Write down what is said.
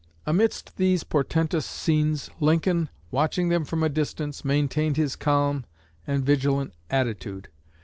Amidst these portentous scenes Lincoln, watching them from a distance, maintained his calm and vigilant attitude.